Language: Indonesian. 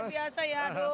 luar biasa ya